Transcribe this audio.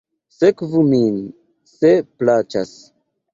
Sekvu min, se plaĉas.